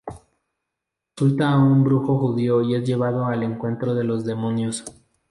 Consulta a un brujo judío y es llevado al encuentro de los demonios.